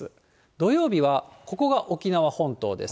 土曜日は、ここが沖縄本島です。